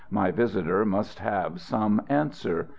My visitor must have some answer.